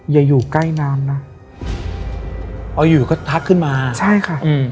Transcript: อยู่ใกล้น้ำนะเอาอยู่ก็ทักขึ้นมาใช่ค่ะอืม